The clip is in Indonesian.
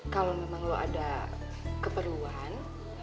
kalau memang lo ada keperluan